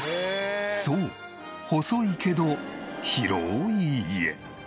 そう細いけど広い家。